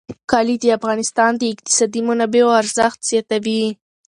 کلي د افغانستان د اقتصادي منابعو ارزښت زیاتوي.